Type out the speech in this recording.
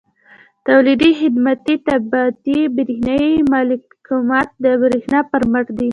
تولیدي، خدماتي، طباعتي او برېښنایي مکالمات د برېښنا پر مټ دي.